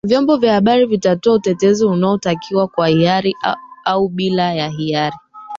vyombo vya habari vitatoa utetezi unaotakiwa kwa hiari au bila ya hiari